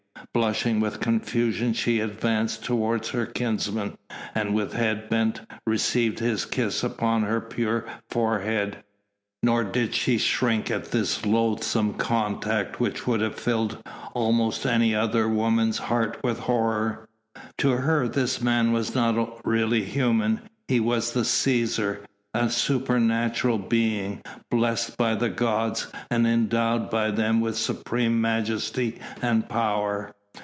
Blushing with confusion she advanced toward her kinsman, and with head bent received his kiss upon her pure forehead. Nor did she shrink at this loathsome contact which would have filled almost any other woman's heart with horror. To her this man was not really human he was the Cæsar a supernatural being blessed by the gods, and endowed by them with supreme majesty and power.